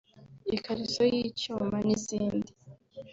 “Ikariso y’icyuma” n’izindi